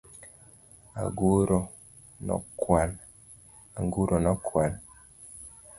Anguro nokwal .